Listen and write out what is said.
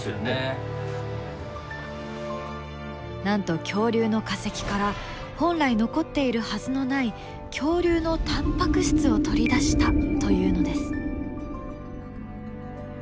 なんと恐竜の化石から本来残っているはずのない恐竜のタンパク質を取り出したというのです。